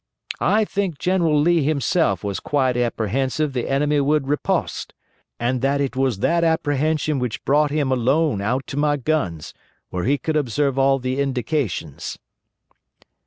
I think General Lee himself was quite apprehensive the enemy would riposte, and that it was that apprehension which brought him alone out to my guns, where he could observe all the indications."